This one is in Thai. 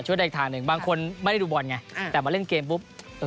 ได้อีกทางหนึ่งบางคนไม่ได้ดูบอลไงแต่มาเล่นเกมปุ๊บ